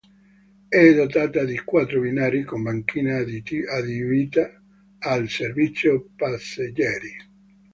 È dotata di quattro binari con banchina adibita al servizio passeggeri.